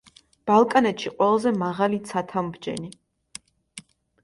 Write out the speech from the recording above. ბალკანეთში ყველაზე მაღალი ცათამბჯენი.